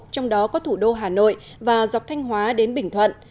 trong đó có thủ đô hà nội và dọc thanh hóa đến bình thuận